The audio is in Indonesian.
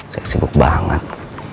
saya sibuk banget